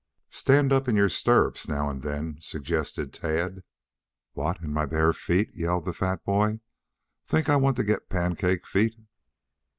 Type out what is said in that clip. "Stand up in your stirrups now and then," suggested Tad. "What, in my bare feet?" yelled the fat boy. "Think I want to get pancake feet?"